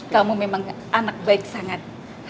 kamu memang anak baik sangat